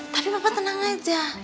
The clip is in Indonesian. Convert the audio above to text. tapi papa tenang aja